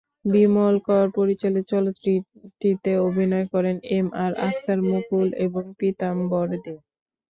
বিমল কর পরিচালিত চলচ্চিত্রটিতে অভিনয় করেন এম আর আখতার মুকু ল এবং পীতাম্বর দে।